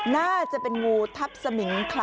น่าจะเป็นงูทับสมิงค่ะ